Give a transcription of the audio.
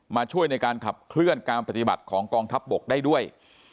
มาช่วยในการขับเคลื่อนการปฏิบัติของกองทัพบกได้ด้วย